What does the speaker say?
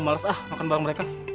gue males ah makan barang mereka